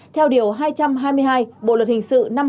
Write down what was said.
theo điều hai trăm hai mươi hai bộ luật hình sự năm hai nghìn một mươi